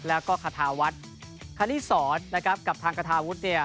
แล้วก็คาทาวัฒน์คณิสรนะครับกับทางกระทาวุฒิเนี่ย